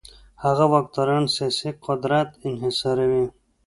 هغه واکداران سیاسي قدرت انحصاروي.